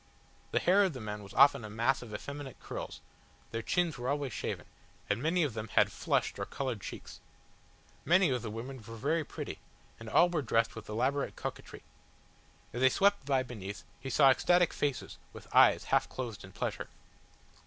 The hair of the men was often a mass of effeminate curls, their chins were always shaven, and many of them had flushed or coloured cheeks. Many of the women were very pretty, and all were dressed with elaborate coquetry. As they swept by beneath, he saw ecstatic faces with eyes half closed in pleasure.